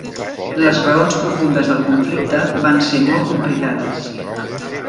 Les raons profundes del conflicte van ser molt complicades.